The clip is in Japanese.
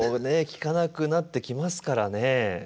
聞かなくなってきますからねえ。